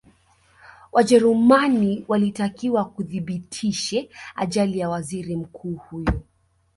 wajerumani walitakiwa kuthibitishe ajali ya waziri mkuu huyo